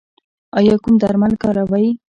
ایا کوم درمل کاروئ؟